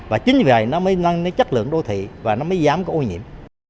và chính vì vậy nó mới ngăn chất lượng đô thị và nó mới dám có ô nhiễm